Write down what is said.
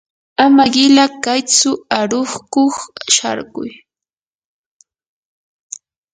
ama qila kaytsu aruqkuq sharkuy.